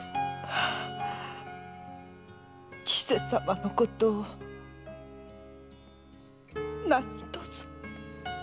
千世様のことを何とぞ。